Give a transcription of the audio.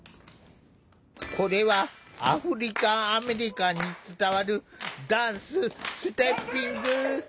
これはアフリカンアメリカンに伝わるダンスステッピング。